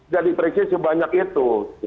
jadi periksa sebanyak itu